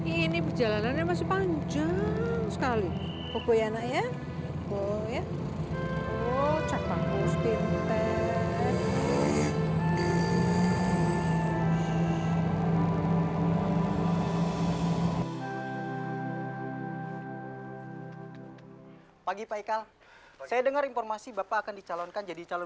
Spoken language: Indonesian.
ini perjalanannya masih panjang sekali